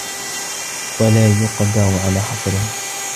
وَلَا يُقْدَرُ عَلَى حَصْرِهَا